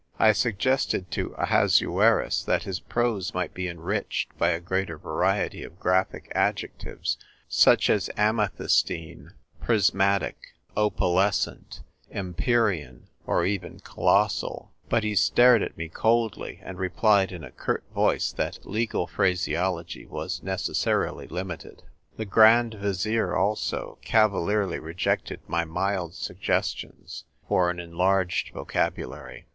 I suggested to Ahasuerus that his prose might be enriched by a greater variety of graphic adjectives such as "amethystine," "prismatic," "opalescent," "empyrean," or even "colos sal ;" but he stared at me coldly, and replied in a curt voice that legal phraseology was necessarily limited. The Grand Vizier, also, cavalierly rejected my mild suggestions for an enlarged vocabulary.